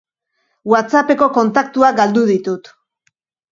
Whatsapp-eko kontaktuak galdu ditut.